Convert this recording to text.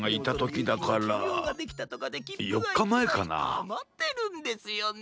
あまってるんですよね。